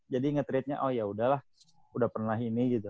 jadi nge treatnya oh yaudah lah udah pernah ini gitu